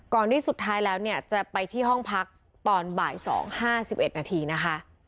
ก่อนที่สุดท้ายแล้วเนี่ยจะไปที่ห้องพักตอนบ่ายสองห้าสิบเอ็ดนาทีนะคะ